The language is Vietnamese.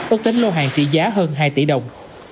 ước tính lô hàng trị giá hơn hai tỷ đồng